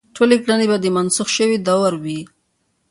ټولې کړنې به مو د منسوخ شوي دور وي.